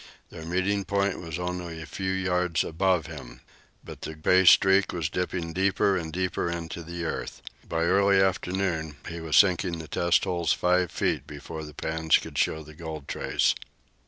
Their meeting point was only a few yards above him. But the pay streak was dipping deeper and deeper into the earth. By early afternoon he was sinking the test holes five feet before the pans could show the gold trace.